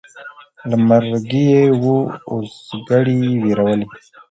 له مرګي یې وو اوزګړی وېرولی